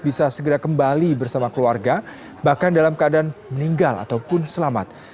bisa segera kembali bersama keluarga bahkan dalam keadaan meninggal ataupun selamat